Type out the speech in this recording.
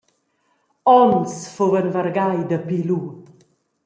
Onns fuvan vargai dapi lu.